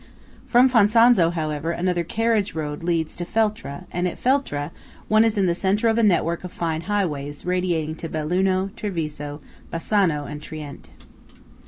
From Fonzaso, however, another carriage road leads to Feltre, and at Feltre one is in the centre of a network of fine highways radiating to Belluno, Treviso, Bassano and Trient.